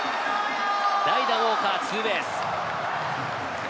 代打ウォーカー、ツーベース。